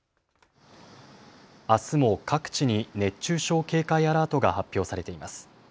あすも各地に熱中症警戒アラートが発表されています。